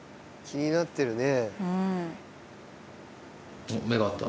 気になってるね。